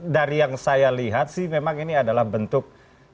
dari yang saya lihat sih memang ini adalah bentuk